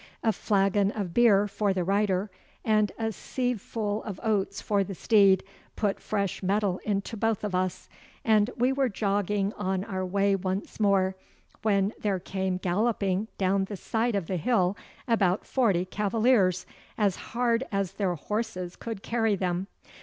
A flagon of beer for the rider, and a sieveful of oats for the steed, put fresh mettle into both of us, and we were jogging on our way once more, when there came galloping down the side of the hill about forty cavaliers, as hard as their horses could carry them.